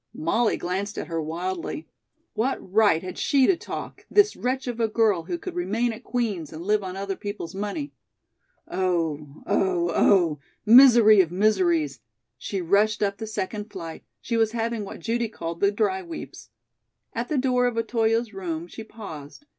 Molly glanced at her wildly. What right had she to talk, this wretch of a girl who could remain at Queen's and live on other people's money? Oh, oh, oh! Misery of miseries! She rushed up the second flight. She was having what Judy called "the dry weeps." At the door of Otoyo's room she paused.